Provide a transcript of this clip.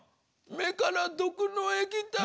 目から毒の液体が。